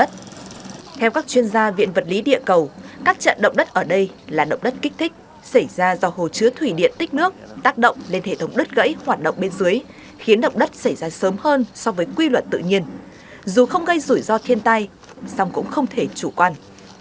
theo các chuyên gia viện vật lý địa cầu các trận động đất ở đây là động đất kích thích xảy ra do hồ chứa thủy điện tích nước tác động lên hệ thống đất gãy hoạt động bên dưới khiến động đất xảy ra sớm hơn so với quy luật tự nhiên dù không gây rủi ro thiên tai song cũng không thể chủ quan